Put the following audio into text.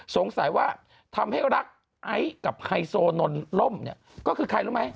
สงสัยว่าทำให้รักไอซ์กับไฮโซนนล่มเนี่ยก็คือใครรู้ไหม